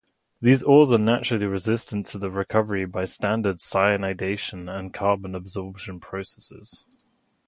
These ores are naturally resistant to recovery by standard cyanidation and carbon adsorption processes.